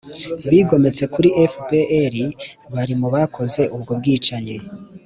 bigometse kuri fpr bari mu bakoze ubwo bwicanyi,